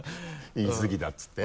言い過ぎたっていって？